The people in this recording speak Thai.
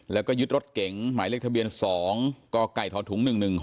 แล้วก็ยึดรถเก๋งหมายเลขทะเบียน๒กกทถุง๑๑๖